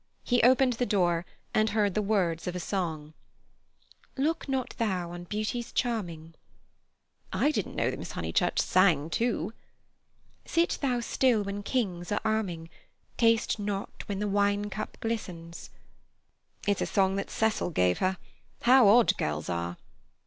He opened the door, and heard the words of a song: "Look not thou on beauty's charming." "I didn't know that Miss Honeychurch sang, too." "Sit thou still when kings are arming, Taste not when the wine cup glistens——" "It's a song that Cecil gave her. How odd girls are!"